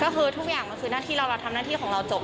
ก็คือทุกอย่างมันคือหน้าที่เราทำหน้าที่ของเราจบ